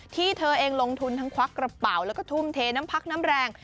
เธอเองลงทุนทั้งควักกระเป๋าแล้วก็ทุ่มเทน้ำพักน้ำแรง